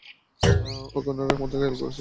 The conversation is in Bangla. ওকে উনারই মতো করে ঘায়েল করেছেন!